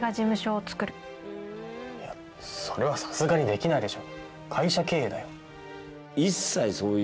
いやそれはさすがにできないでしょ